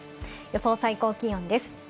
予想最高気温です。